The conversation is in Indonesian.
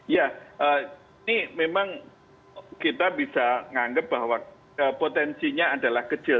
ya ini memang kita bisa menganggap bahwa potensinya adalah kecil